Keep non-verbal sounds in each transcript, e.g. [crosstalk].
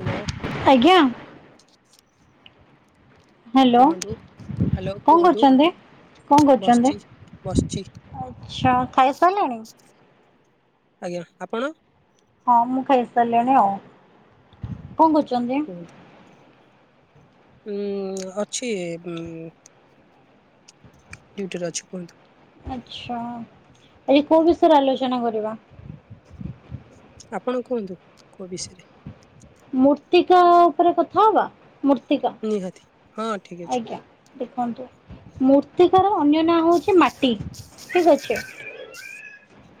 Hello. ଆଜ୍ଞା। Hello କୁହନ୍ତୁ hello କଣ କୁହନ୍ତୁ। କରୁଛନ୍ତି? କଣ କରୁଛନ୍ତି? ବସିଛି ବସିଛି। ଆଚ୍ଛା ଖାଇସାରିଲେଣି? ଆଜ୍ଞା ଆପଣ? ହଁ ମୁଁ ଖାଇ ସାରିଲିଣି ଆଉ। କଣ କହୁଛନ୍ତି। ହୁଁ ଉଁ ଅଛି ହୁଁ ଡୁଟିରେ ଅଛି କୁହନ୍ତୁ। ଆଚ୍ଛା ଆଜି କୋଉ ବିଷୟରେ ଆଲୋଚନା କରିବା। ଆପଣ କୁହନ୍ତୁ କୋଉ ବିଷୟରେ। ମୂର୍ତ୍ତିକା ଉପରେ କଥା ହବା ମୂର୍ତ୍ତିକା। ନିହାତି ହଁ ଠିକ ଅଛି ଆଜ୍ଞା ଦେଖନ୍ତୁ ମୂର୍ତ୍ତିକାର ଅନ୍ୟ ନାଁ ହଉଛି ମାଟି ଠିକ ଅଛି।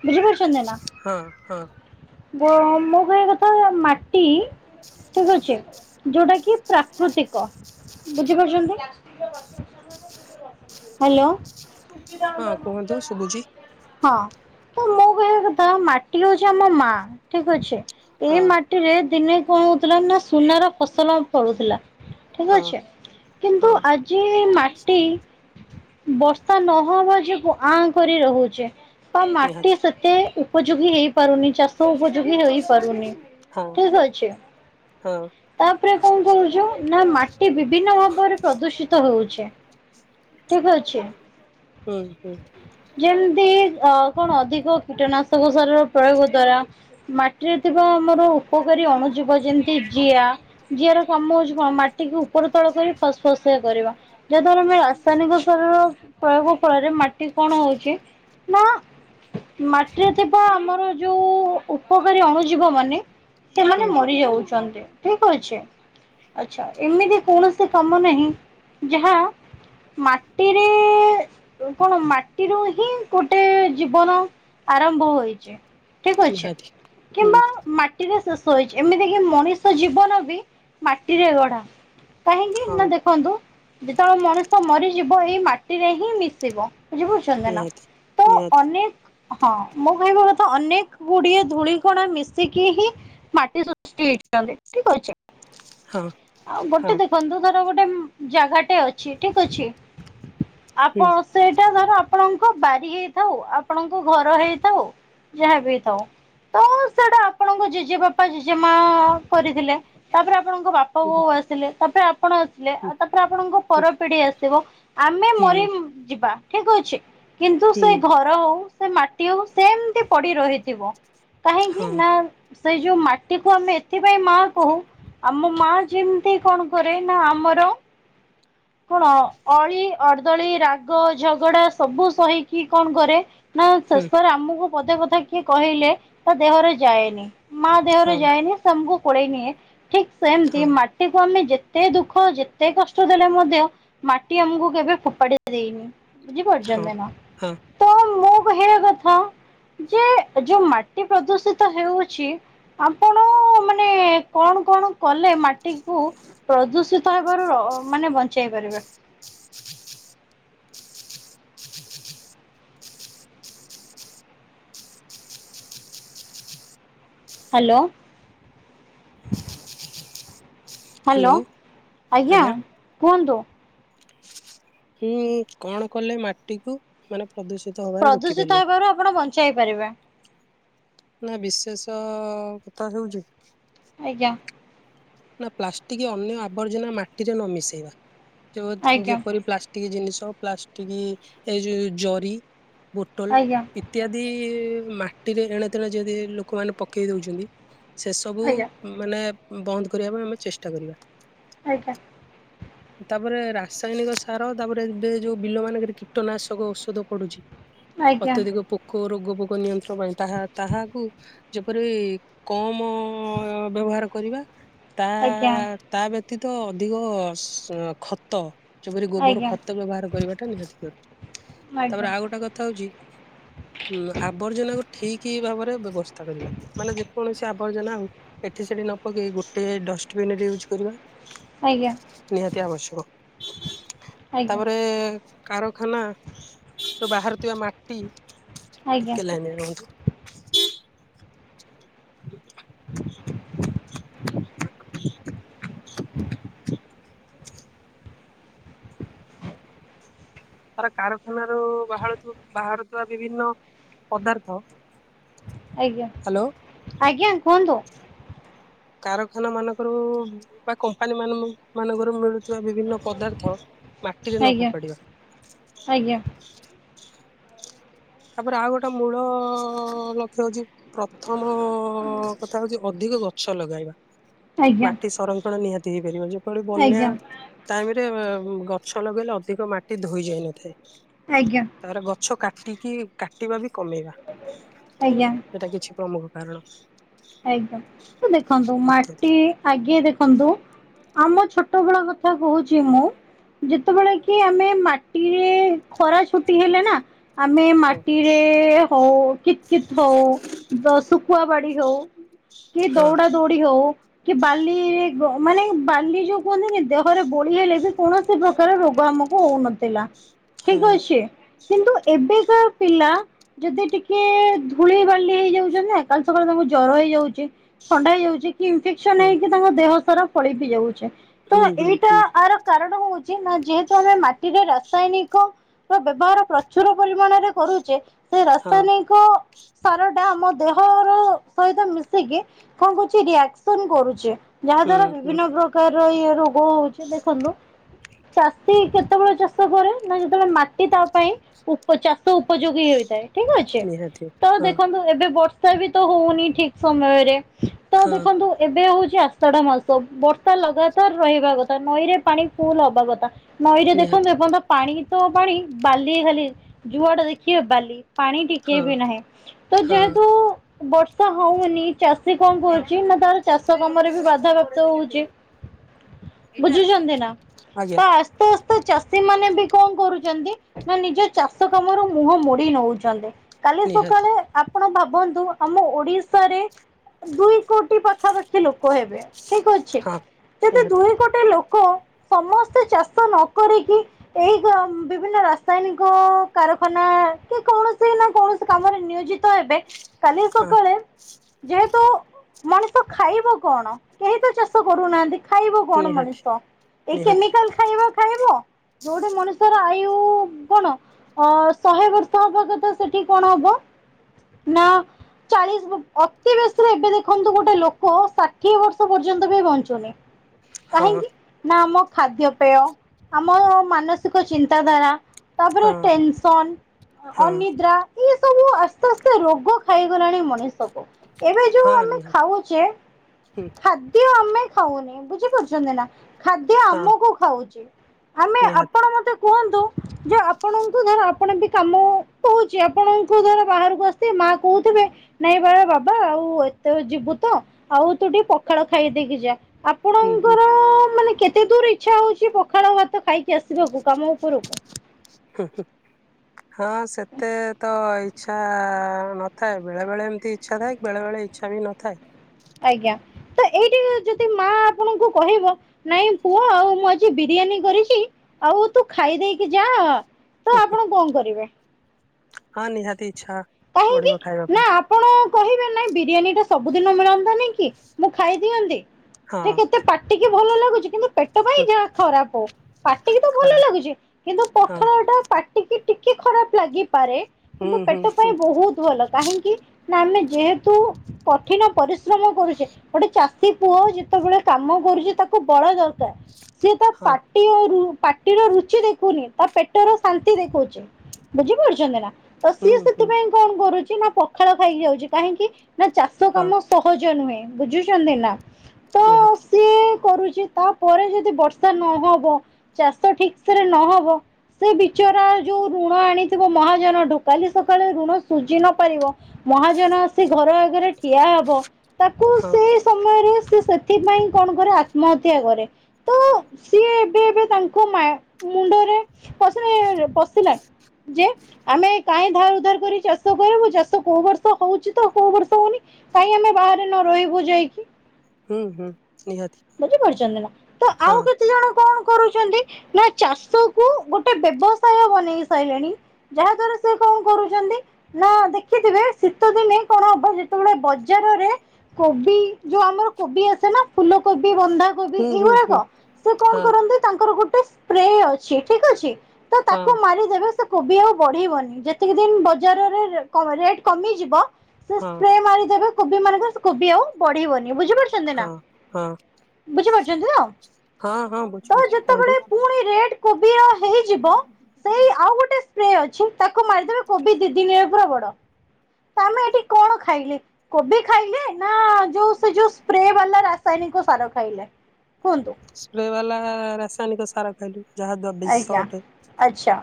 ବଝିପାରୁଛନ୍ତି ନା। ହଁ ହଁ। ମୋ ମୁଁ କହିବା କଥା ମାଟି ଠିକ ଅଛି ଯୋଉଟା କି ପ୍ରାକୃତିକ। ବୁଝିପାରୁଛନ୍ତି ହ୍ୟାଲୋ। ସୁବିଧା ହଁ [unintelligible] କୁହନ୍ତୁ ଶୁଭୁଛି ତ ମୁଁ କହିବା କଥା ମାଟି ହଉଛି ଆମ ମା ଠିକ ଅଛେ ଏଇ ହଁ ମା ଟିରେ ଦିନେ କଣ ହଉଥିଲା ନା ସୁନାର ଫସଲ ଫଳୁଥିଲା। ଠିକ ହଁ ଅଛେ କିନ୍ତୁ ହଁ ଆ ଜି ମାଟି ବର୍ଷା ନହବା ଯୋଗୁ ଆଁ କରି ରହୁଛି ବା ମାଟି ନିହାତି ସେତେ ଉପଯୋଗୀ ହେଇପାରୁନି ଚା ଷ ଉପଯୋଗୀ ହେଇ ପାରୁନି ହଁ ଠିକ ଅଛି। ହଁ। ତାପରେ କଣ କହୁଛ, ନା ମାଟି ବିଭିନ୍ନ ଭାବରେ ପ୍ରଦୂଷିତ ହଉଛି। ଠିକ ଅଛି। ହୁଁ ହୁଁ। ଯେମିତି କଣ ଅଧିକ କୀଟନାଶକ ସାରର ପ୍ରୟୋଗ ଦ୍ଵାରା ମାଟିରେ ଥିବା ଆମର ଉପକାରୀ ଅଣୁଜୀବ ଯେମିତି ଜିଆ। ଜିଆର କାମ ହଉଛି କଣ ମାଟିକୁ ଉପର ତଳ କରି ଫସଫସିଆ କରିବା। ଯାହାଦ୍ଵାର ଆମେ ରାସାୟନିକ ସାରର ପ୍ରୟୋଗ ଫଳରେ ମାଟି କଣ ହଉଛି। ନା ମାଟିରେ ଥିବା ଆମର ଯୋଉ ଉପକାରୀ ଅଣୁଜୀବ ମାନେ ହୁଁ ସେମାନେ ମରି ଯାଉଛନ୍ତି ଠିକ ଅଛି। ଆଛା ଏମିତି କୌଣସି କାମ ନାହିଁ ଯାହା ମାଟିରେ କଣ ମାଟିରୁ ହିଁ ଗୋଟେ ଜୀବନ ଆରମ୍ଭ ହୋଇଛି ଠିକ ଅଛ। ନିହାତି ହୁଁ। ମାଟିରେ ଶେଷ ହୋଇଛି ଏମିତି କି ମଣିଷ ଜୀବନ ବି ମାଟିରେ ଗଢା। କାହିଁକି ହଁ ନା ଦେଖନ୍ତୁ। ଯେତେବେଳେ ମଣିୁଷ ମରିଯିବ ଏଇ ମାଟିରେ ହିଁ ମିଶିବ ବୁଝିପାରୁଚ? ନିହାତି ତ ନିହାତି ଅନେ ତ ହଁ ମୁଁ କହିବା କଥା ଅନେକ ଗୁଡିଏ ଧୂଳିିକଣା ମିଶିକି ହିଁ ମାଟି ସୃଷ୍ଟି ହେଇଛନ୍ତି ଠିକ ଅଛି ହଁ ଆଉ ହଁ ଗୋଟେ ଦେଖନ୍ତୁ ଧର ଗୋଟେ ଜାଗାଟେ ଅଛି ଠିକ ଅଛି ହୁଁ ଆପଣ ସେଇଟା ଧର ଆପଣଙ୍କ ବାରି ହେଇଥାଉ ଆପଣଙ୍କ ଘର ହେଇଥାଉ ଯାହା ବି ହେଇ ଥାଉ। ତ ସେଟା ଆପଣଙ୍କ ଜେଜେ ବାପା ଜେଜେ ମା କରିଥିଲେ ତାପରେ ଆପଣଙ୍କ ବାପ ବାପା ହୁଁ ବଉ ଆସିଲେ ତାପରେ ଆପଣ ଆସିଲେ ଆଉ ତାପରେ ଆପଣଙ୍କ ହୁଁ ହୁଁ ପରପିଢି ଆସିବ ଆମେ ହୁଁ ମରି ଯିବା ଠିକ ଅଛି। କିନ୍ତୁ ସେ ହୁଁ ଘର ହଉ ସେ ମାଟି ହଉ ସେମତି ପଡି ରହିଥିବ। କାହିଁକି ହଁ ନା ସେଇ ଯୋଉ ମାଟିକୁ ଆମେ ଏଥିପାଇଁ ମା କହୁ। ଆମ ମା ଯେମିତି କଣ କରେ ନା ଆମର କଣ ଅଳି ଅର୍ଦଳି ରାଗ ଝଗଡା ସବୁ ସହିକି କଣ କରେ? ନା ହୁଁ ଶେଷରେ ଆମକୁ ପଦେ କଥା କିଏ କହିଲେ ତା ଦେହରେ ଯାଏନି। ମା ଦେହରେ ହଁ ଯାଏନି ସେ ଆମକୁ କୋଲେଇ ନିଅ ଠିକ ସେମତି ହଁ ମା ଟିକୁ ଆମେ ଯେତେ ଦୁଃଖ ଯେତେ କଷ୍ଟ ଦେଲେ ମଧ୍ୟ ମାଟି ଆମକୁ କେବେ ଫୋପାଡି ଦିଏନି ବୁଝିପାରୁଛନ୍ତି ନା? ହଁ ତ ମୁଁ [unintelligible] କଥା ଯେ ଯୋଉ ମାଟି ପ୍ରଦୂଷିତ ହେଉଅଛି ଆପଣ ମାନେ କଣ କଣ କଲେ ମାଟି କୁ ପ୍ରଦୂଷିତ ହେବାରୁ ର ମାନେ ବଞ୍ଚେଇ ପାରିବା? [unintelligible] ହ୍ୟାଲୋ! ହ୍ୟାଲୋ ଆଜ୍ଞା! କୁହନ୍ତୁ ହୁଁ କଣ କଲେ ମାଟି କୁ ମାନେ ପ୍ରଦୂଷିତ ହବାରେ ରୋକି ପ୍ରଦୂଷିତ ପାରିବା? ହେବାରୁ ଆପଣ ବଞ୍ଚାଇ ପାରିବେ? ନା ବିଶେଷ କଥା ହେଉଛି ଆଜ୍ଞା! ନା ପ୍ଲାଷ୍ଟିକ ଅନ୍ୟ ଆବର୍ଜନା ମାଟିରେ ନ ମିଶେଇବା ଆଜ୍ଞା ଯେପରି ପ୍ଲାଷ୍ଟିକ ଜିନିଷ ପ୍ଲାଷ୍ଟିକ ଏ ଯୋଉ ଜରି ବୋଟଲ ଆଜ୍ଞା ଇତ୍ୟାଦି ମାଟିରେ ଏଣେତେଣେ ଯଦି ଲୋକମାନେ ପକେଇ ଦଉଛନ୍ତି ସେସବୁ ମାନେ ବନ୍ଦ କରିବା ପାଇଁ ଆମେ ଚେଷ୍ଟା କରିବା। ଆଜ୍ଞା। [unintelligible] ତାପରେ ରାସାୟନିକ ସାର। ତାପରେ ଏବେ ଯୋଉ ବିଲ ମାନଙ୍କରେ କୀଟନାଶକ ଔଷଧ ପଡୁଛି। ଆଜ୍ଞା ଅତ୍ୟଧିକ ପୋକ ରୋଗ ପୋକ ନିୟନ୍ତ୍ରଣ ପାଇଁ। ତାହା ତାହାକୁ ଯେପରି କମ ବ୍ୟବହାର କରିବା। ତା ଆଜ୍ଞା ତା ବ୍ୟତୀତ ଅଧିକ ସ ଖତ ଯେପରି ଗୋବର ଆଜ୍ଞା ଆଜ୍ଞା ଖତ ବ୍ୟବହାର କରିବାଟା ନିହାତି ଜରୁରୀ। ଆଜ୍ଞା ତାପରେ ଆଉ ଗୋଟେ କଥା ହଉଚି ହୁଁ ଆବର୍ଜନା କୁ ଠିକ୍ ଭାବରେ ବ୍ୟବସ୍ଥା କରିବା ମାନେ ଯେକୌଣସି ଆବର୍ଜନା ହଉ। ଏଠି ସେଠି ନ ପକେଇ ଗୋଟେ ଡଷ୍ଟବିନରେ ୟୁଜ୍ କରିବା। ଆଜ୍ଞା। ନିହାତି ଆବଶ୍ୟକ। ଆଜ୍ଞା ତାପରେ କାରଖାନା ଯୋଉ ବାହାରୁଥିବା ମାଟି। ଆଜ୍ଞା ଆଜ୍ଞା ଟିକେ ଲାଇନରେ ରୁହନ୍ତୁ। [unintelligible] ତାର କାରଖାନାରୁ ବାହାରୁ ଥି ବାହାରୁଥିବା ବିଭିନ୍ନ ପଦାର୍ଥ ଆଜ୍ଞା, ହ୍ୟାଲୋ ଆଜ୍ଞା କୁହନ୍ତୁ। କାରଖାନା ମାନଙ୍କରୁ ବା କମ୍ପାନୀ ମାନ ମାନଙ୍କରୁ ମିଳୁଥିବା ବିଭିନ୍ନ ପଦାର୍ଥ ମାଟିରେ ନ ଆଜ୍ଞା ଫୋପାଡିବା। ଆଜ୍ଞା। ତାପରେ ଆଉ ଗୋଟେ ମୂଳ ଲକ୍ଷ୍ୟ ହଉଛି ପ୍ରଥମ କଥା ହଉଛି ଅଧିକ ଗଛ ଲଗାଇବା। ଆଜ୍ଞା ମାଟି ସଂରକ୍ଷଣ ନିହାତି ହେଇପାରିବ। ଯେପରି ବନ୍ୟା ଆଜ୍ଞା ଟାଇମରେ ଏ ଗଛ ଲଗେଇଲେ ଅଧିକ ମାଟି ଧୋଇ ଯାଇନଥାଏ। ଆଜ୍ଞା। ତାର ଗଛ କାଟିକି କାଟିବା ବି କମେଇବା। ଆଜ୍ଞା। ସେଇଟା କିଛି ପ୍ରମୁଖ କାରଣ। ଆଜ୍ଞା, ଏ ଦେଖନ୍ତୁ ଇତ୍ୟାଦି ମାଟି ଆଗେ ଦେଖନ୍ତୁ ଆମ ଛୋଟ ବେଳ କଥା କହୁଛି ମୁଁ ଯେତେବେଳେ କି ଆମେ ମାଟିରେ ଖରା ଛୁଟି ହେଲେ ନା ଆମେ ହଁ ମାଟିରେ ହଉ କିତ୍ କିତ୍ ହଉ ଦ ଶୁକୁଆ ବାଡି ହଉ କି ହଁ ଦୌଡା ଦୌଡି ହଉ କି ବାଲି ମାନେ ବାଲି ଯୋଉ କୁହନ୍ତିନି ଦେହରେ ବୋଳି ହେଲେ ବି କୌଣସି ପ୍ରକାର ରୋଗ ଆମକୁ ହଉନଥିଲା। ହଁ ଠିକ୍ ଅଛି। କିନ୍ତୁ ଏବେକା ପିଲା ଯଦି ଟିକେ ଧୂଳି ବାଲି ହେଇଯାଉଛନ୍ତି ନା କାଲି ସକାଳୁ ତାଙ୍କୁ ଜର ହେଇଯାଉଛି, ଥଣ୍ଡା ହେଇଯାଉଛି କି ହୁଁ ଇନଫେକ୍ସନ ହେଇକି ତାଙ୍କ ଦେହ ସାରା ଫଳି ବି ଯାଉଛି। ହୁଁ ତ ହୁଁ ଏଇଟା ହୁଁ ଆର କାରଣ ହଉଛି ନା ଯେହେତୁ ଆମେ ମାଟିରେ ରାସାୟନିକ ବ୍ୟବହାର ପ୍ରଚୁର ପରିମାଣରେ କରୁଛେ ସେ ହଁ ରାସାୟନିକ ସାରଟା ଆମ ଦେହର ସହିତ ମିଶିକି କଣ କରୁଛିି ରୀୟାକ୍ସନ୍ କରୁଛି। ଯାହା ହୁଁ ଦ୍ଵାରା ହୁଁ ବିଭିନ୍ନ ପ୍ର କାର ଇଏ ରୋଗ ହଉଚି। ଦେଖନ୍ତୁ ଚାଷୀ କେତେବେଳେ ଚାଷ କରେ ନା ଯେତେବେଳେ ମାଟି ତା ପାଇଁ ଉପ ଚାଷ ଉପଯୋଗୀ ହୋଇଥାଏ। ଠିକ୍ ଅଛି। ନିହାତି ତ ହଁ ଦେଖନ୍ତୁ ଏବେ ବର୍ଷା ବି ତ ହଉନି ଠିକ୍ ସମୟରେ। ତ ହଁ ଦେଖନ୍ତୁ ଏବେ ହଉଛି ଆଷାଢ ମାସ ବର୍ଷା ଲଗାତାର ରହିବା କଥା। ନଈରେ ପାଣି ଫୁଲ୍ ହବା କଥା। ନଈରେ ଦେଖନ୍ତୁ ନିହାତି ଏ ପନ୍ତ ପାଣି ତ ପାଣି ବାଲି ଖାଲି। ଯୁଆଡେ ଦେଖିବେ ବାଲି। ପାଣି ଟିକେ ହଁ ବି ନାହିଁ। ତ ହଁ ଯେହେତୁ ବର୍ଷା ହଉନି ଚାଷ ସେ କଣ ହଁ, କରୁଛି ନା ତାର ଚାଷ କାମରେ ବି ବାଧାପ୍ରାପ୍ତ ହଉଛି। ବୁଝୁଛନ୍ତି ନା? ଆଜ୍ଞା ତା ଆଶ ଆସ୍ତେ ଆସ୍ତେ ଚାଷୀ ମାନେ ବି କଁ କରୁଛନ୍ତି ନା ନିଜ ଚାଷ କାମରୁ ମୁହଁ ମୋଡି ନଉଛ ନ୍ତି, କାଲି ନିହାତି ସକାଳେ ଆପଣ ଭାବନ୍ତୁ ଆମ ଓଡିଶାରେ ଦୁଇ କୋଟି ପାଖାପାଖି ଲୋକ ହେବେ, ଠିକ ଅଛି। ହଁ ଯଦି ନିହାତି ଦୁଇ କୋଟି ଲୋକ [unintelligible] ସମସ୍ତେ ଚାଷ ନ କରିକି ଏଇ ଗ ବିଭିନ୍ନ ରାସାୟନିକ କାରଖାନା କି କୌଣସି ନା କୌଣସି କାମରେ ନିୟୋଜିତ ହେବେ। କାଲି ସକ ହଁ ସକାଳେ ଯେହେତୁ ମଣିଷ ଖାଇବ କଣ? କେହି ତ ଚାଷ କରୁନାହାନ୍ତି। ଖାଇବ କଣ ନିହାତି ମଣିଷ? ଏ ନିହାତି କେମିକାଲ ଖାଇବ ଖାଇବ, ଯୋଉଠି ମଣିଷର ଆୟୁ କଣ ଅ ଶହେ ବର୍ଷ ହବା କଥା ସେଠି କଣ ହବ ନା ଚାଳିଶ ବ, ଅତି ବେଶୀରେ ଏବେ ଦେଖନ୍ତୁ ଗୋଟେ ଲୋକ ଷା ଷାଠିଏ ବର୍ଷ ପର୍ଯ୍ୟନ୍ତ ବି ବଞ୍ଚୁନି, ହଁ କାହିଁକି? ନା ଆମ ଖାଦ୍ୟପେୟ, ଆମ ମାନସିକ ଚିନ୍ତାଧାରା ତାପରେ ହଁ ଟେନସନ, ହଁ ଅନିଦ୍ରା ଏ ସବୁ ଆସ୍ତେ ଆସ୍ତେ ରୋଗ ଖାଇ ଗଲାଣି ମଣିଷକୁ। ଏବେ ଯୋଉ ହଁ ଆମେ ନିହାତି ଖାଉଛେ ହୁଁ ଖାଦ ଦ୍ୟ ଆମେ ଖାଉନେ। ବୁଝିପାରୁଛନ୍ତି ନା? ଖାଦ୍ୟ ହଁ ଆମକୁ ଖାଉଛି। ଆମ ନିହାତି। ମତେ କୁହନ୍ତୁ ଯେ ଆପଣଙ୍କୁ ଧର ଆପଣ ବି କାମ କହୁଛି ଆପଣଙ୍କୁ ଧର ବାହାରକୁ ଆସିବ ମା କହୁଥିବେ ନାଇଁ ବାୟା ବାବା ଆଉ ଏତର ଯିବୁ ତ? ଆଉ ତୁ ଟିକେ ପଖାଳ ଖାଇଦେଇକି ଯା। ଆପ୍ ହୁଁ ହୁଁ ଆପଣଙ୍କର ମାନେ କେତେ ଦୂର ଇଚ୍ଛା ହଉଛି ପଖାଳ ଭାତ ଖାଇକି ଆସିବାକୁ କାମ ଉପରକୁ? ହଁ ହୁଁ ହଁ ସେତେ ତ ଇ ଇଚ୍ଛା ନଥାଏ। ବେଳେବେଳେ ଏମିତି ଇଚ୍ଛା ଥାଏ, ବେଳେବେଳେ ଇଚ୍ଛା ବି ନଥାଏ। ଆଜ୍ଞା, ତ ଏଇଠି ଯଦି ମା ଆପଣଙ୍କୁ କହିବ ନାଇଁ ପୁଅ ଆଉ ମୁଁ ଆଜି ବିରିୟାନୀ କରିଛି ଆଉ ତୁ ଖାଇଦେଇକି ଯା। ତ ଆପଣ କଣ କରିବେ? ହଁ ନିହାତି ଇଛା କାହିଁକି ବଢ଼ିବ ଖା ନା ଆପଣ କହିବେ ନାଇଁ ବିରିୟାନୀ ଟା ସବୁଦିନ ମିଳନ୍ତାନି କି, ମୁଁ ଖାଇ ଦିଅନ୍ତି। ହଁ। ମତେ ପାଟିକି ଭଲ ଲାଗୁଚି। କିନ୍ତୁ ପେଟ ପାଇଁ ହୁଁ ଯାହା ଖରାପ। ପାଟିକି ତ ଭଲ ଖରାପ ଲାଗୁଛି। କିନ୍ତୁ ହଁ ପଖାଳଟା ପାଟ ଟିକି ଟିକେ ଖରାପ ଲାଗିପାରେ। ହୁଁ କିନ୍ତୁ ହୁଁ। ପେଟ ପାଇଁ ହୁଁ ବହୁତ ଭଲ। କାହିଁକି ନା ଆମେ ଯେହେତୁ କଠିନ ପରିଶ୍ରମ କରୁଚେ, ଗୋଟେ ଚାଷୀ ପୁଅ ଯେତେବେଳେ କାମ କରୁଚି ତାକୁ ବଳ ଦର କାର। ସେ ତା ହଁ ପାଟ ପାଟି ଆଉ ରୁ ପାଟିର ରୁଚି ଦେଖୁନି ତା ପେଟର ଶାନ୍ତି ଦେଖୁଛି। ବୁଝି ପାରୁଛନ୍ତି ନା। ତ ସିଏ ହୁଁ। ହୁଁ ସେଥିପାଇଁ କଣ କରୁଛି ନା ପଖାଳ ଖାଇକି ଯାଉଚି। କାହିଁକି ନା ଚାଷ ହଁ କାମ ସହଜ ନୁହେଁ ବୁଝୁଛନ୍ତି ନା। ତ ନିହାତି। ସିଏ କରୁଚି ତାପରେ ଯଦି ବର୍ଷା ନହବ ଚାଷ ଠିକ୍ସେରେ ନହବ ସେ ବିଚରା ଯୋଉ ଋଣ ଆଣିଥିବ ମହାଜନଠୁ କାଲି ସ ଋଣ ସୁଜୀ ନ ପାରିବ ମହାଜନ ଆସି ଘର ଆଗରେ ଠିଆ ହବ, ତାକୁ ହଉ। ସେ ସମୟରେ ସେ ସେଥିପାଇଁ କଣ କରେ ଆତ୍ମହତ୍ୟା କରେ। ତ ସିଏ ଏବେ ଏବେ ତାଙ୍କ ମାଇ ମୁଣ୍ଡରେ [unintelligible] ପଶିଲାଣି ଯେ ଆମେ କାଇଁ ଧାର୍ ଉ ଧାର କରି ଚାଷ କରିବୁ, ଚାଷ କୋଉ ବର୍ଷ ହଉଚି ତ କୋଉ ବର୍ଷ ହଉନି। କାଇଁ ଆମେ ବାହାରେ ନ ରହିବୁ ଯାଇକି। ହୁଁ-ହୁଁ, ନିହାତି। ବୁଝିପାରୁଚନ୍ତି ନା, ତ ହଁ ଆଉ କେ ତେଜଣ କଣ କରୁଚନ୍ତି ନା ଚାଷ କୁ ଗୋଟେ ବ୍ୟବସାୟ ବନେଇ ସାଇଲେଣି। ଯାହା ଦ୍ଵାରା ସେ କଣ କରୁଚନ୍ତି ନା ଦେଖିଥିବେ ଶୀତ ଦିନେ କଣ ହବ ଯେତେବେଳେ ବଜାରରେ କୋବି ଯୋଉ ଆମର କୋବି ଆସେ ନା ଫୁଲ [unintelligible] ବନ୍ଧାକୋବି ହୁଁ ହୁଁ ହୁଁ ଏଇଗୁଡାକ ସେ କଣ ହଁ କରନ୍ତି ତାଙ୍କର ଗୋଟେ ସ୍ପ୍ରେ ଅଛି ଠିକ୍ ଅଛି ତ ହଁ ତାକୁ ମାରିଦେବେ ସେ କୋବି ଆଉ ବଢିବନି, ଯେତିକି ଦିନ୍ ବଜାରରେ ରେଟ୍ କମିଯିବ ସେ ହଁ ସ୍ପ୍ରେ ମାରିଦେବେ କୋବି ମାନଙ୍କରେ, ସେ କୋବି ଆଉ ବଢିବନି ବୁଝିପାରୁଚନ୍ତି ନା। ହଁ ହଁ। ବୁଛିପାରୁଚନ୍ତି ତ? ହଁ ହଁ ତ ବୁଝିପାରୁଛି କୁହନ୍ତୁ ଯେତବେଳେ ପୁଣି ରେଟ୍ କୋବି ର ହେଇଯିବ, ସେଇ ଆଉ ଗୋଟେ ସ୍ପ୍ରେ ଅଛି ତାକୁ ମାରିଦବେ କୋବି ଦି ଦିନିରେ ପୁରା ବଡ। ତ ଆମେ ଏଠି କଣ ଖାଇଲେ, କୋବି ଖାଇଲେ ନା ଯୋଉ ସେ ଯୋଉ ସ୍ପ୍ରେ ବାଲା ରାସାୟନିକ ସାର ଖାଇଲେ କୁହନ୍ତୁ। ସ୍ପ୍ରେ ବାଲା ରାସାୟନିକ ସାର ଖାଇଲୁ ଯାହାଦ୍ୱା ବିଷ ଆଜ୍ଞା ଅଟେ। ଆଚ୍ଛା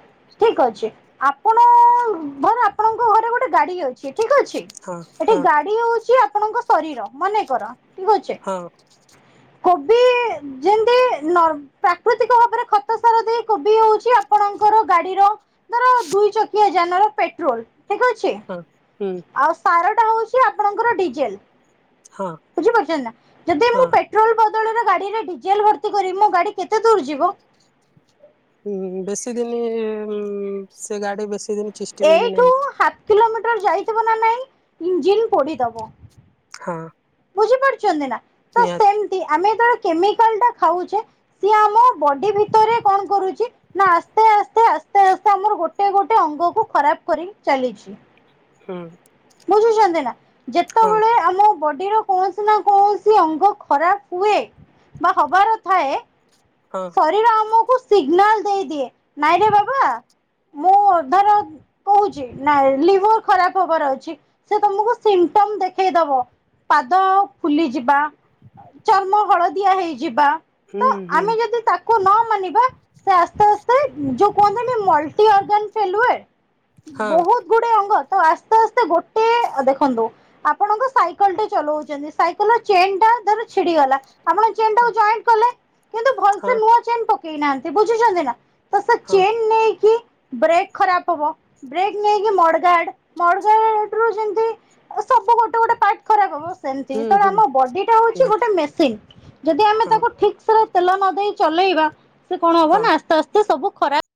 ଠିକ୍ ଅଛି ଆପଣ ଘରେ ଆପଣଙ୍କ ଘରେ ଗୋଟେ ଗାଡି ଅ ଛି ଠିକ୍ ଅଛି। ହଁ ଏଠି ହଁ ଗାଡି ହଉଚି ଆପଣଙ୍କ ଶରୀର, ମନେକର ଠିକ୍ ଅଛି। ହଁ। କୋବି ଯେମ୍ତି ନର୍ ପ୍ରାକୃତିକ ଭାବରେ ଖ ତ ସାର ଦେଇକି କୋବି ହଉଚି ଆପଣଙ୍କର ଗାଡିର ଧର ଦୁଇ ଚକିଆ ଯାନ ର ପେଟ୍ରୋଲ୍। ଠିକ୍ ଅଛି, ହଁ ହୁଁ ଆଉ ସାରଟା ହଉଛି ଆପଣଙ୍କର ଡିଜେଲ୍। ହଁ। ବୁଝିପାରୁଚନ୍ତି ନା, ଯଦି ମୁଁ ହଁ ପେଟ୍ରୋଲ୍ ବଦଳରେ ଗାଡିରେ ଡିଜେଲ୍ ଭର୍ତ୍ତି କରିବି ମୋ ଗାଡି କେତେ ଦୂର୍ ଯିବ? ଉଁ ବେଶୀ ଦିନି ଉଁ ସେ ଗାଡି ବେଶି ଦିନ୍- ଏଇଠୁ ହାପ୍ କିଲୋମିଟର୍ ଯାଇଥବ ନା ନାଇଁ ଇଞ୍ଜିିନ୍ ପୋଡିଦବ। ହଁ। ବୁଝି ପାରୁଚନ୍ତି ନା, ତ ନିହାତି ସେମ୍ତି ଆମେ ଯେତବଳେ କେମିକାଲ୍ ଟା ଖାଉଚେ ସିଏ ଆମ ବଡି ଭିତରେ କଣ କରୁଚି, ନା ଆସ୍ତେ-ଆସ୍ତେ-ଆସ୍ତେ-ଆସ୍ତେ ଆମର ଗୋ ଗୋଟେ-ଗୋଟେ ଅଙ୍ଗକୁ ଖରାପ୍ କରି ଚାଲିଚି। ହୁଁ। ବୁଝୁଚନ୍ତି ନା, ଯେ ହଁ। ଆମ ବଡିର କୌଣସି ନା କୌଣସି ଅଙ୍ଗ ଖରାପ୍ ହୁଏ ବା ହବାର ଥାଏ ହଁ [unintelligible] ଆମକୁ ସିଗନାଲ ଦେଇଦିଏ ନାଇଁରେ ବାବା ମୁଁଧର କହୁଛି ନାଇଁ ଲିଭର ଖରାପ ହବାର ଅଛି ସେ ତମକୁ ସିମ୍ଟମ ଦେଖେଇଦବ ପାଦ ଫୁଲିଯିବା ଚର୍ମ ହଳଦିଆ ହେଇଯିବା ହୁଁ ତ ହୁଁ ଆମେ ଯଦି ତାକୁ ନ ମାନିବା ସେ ଆସ୍ତେ ଆସ୍ତେ ଯୋଉ କୁହନ୍ତି ମଲଟି ଅଗ ଫେ ହଁ ବହୁତ ଗୋଟେ ଅଙ୍ଗ ତ ଆସ୍ତେ ଆସ୍ତେ ଗୋଟେ ଦେଖନ୍ତୁ ଆପଣଙ୍କ ସାଇକେଲ ଟେ ଚଲାଉଛନ୍ତି ସାଇକେଲ ଚେନ ଟା ଧର ଛିଡିଗଲା ଆପଣ ଚ ଟା କ କିନ୍ତୁ ଭଲସ ହଁ ନୂଆ ଚେ ପକେଇ ନାହାନ୍ତି ବୁଝିଛନ୍ତି ନା ତ ସେ ହଁ ଚେନ୍ ନେଇକି ବ୍ରେକ୍ ଖରାପ ହବ ବ୍ରେକ୍ ନେଇକି ମଡଗାଡ ମଡଗା ଯେମିତି ସବୁ ଗୋଟେ ଗୋଟେ ଖରାପ ହବ ସେମତି ହୁଁ ହୁଁ ଆମ ବଡି ଟା ହଉଛି ନିହାତି ଗୋଟେ ମେସିନ ଯଦି ଆମେ ହଁ ତାକୁ ଠିକ ତେଲ ନ ଦେଇେଇ ଚଲେଇବା ସେ କଣ ହଁ ହବ ନା ଆସ୍ତେ ଆସ୍ତେ ସବୁ ଖରାପ